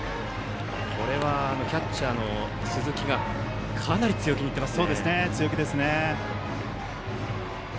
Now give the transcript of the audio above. キャッチャーの鈴木がかなり強気にいっています。